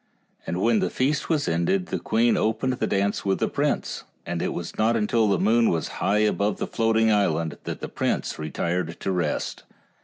And when the feast was ended the queen opened the dance with the prince, and it was not until the moon was high above the floating island that the prince retired to rest.